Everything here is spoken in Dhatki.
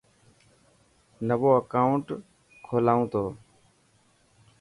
نوو اڪائوٽ کولان تو.